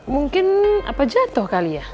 mungkin jatuh kali ya